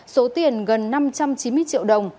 số tiền gần năm trăm chín mươi triệu đồng